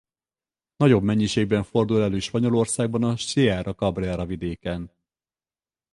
Nagyobb mennyiségben fordul elő Spanyolországban a Sierra Cabrera vidékén.